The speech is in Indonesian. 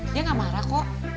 dia gak marah kok